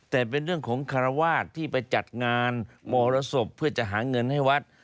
แต่เป็นเรื่องของคารวาสที่ไปจัดงานมรสบเพื่อจะหาเงินให้วัด